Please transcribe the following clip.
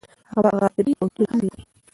هغه به غاترې او توري هم لیږي.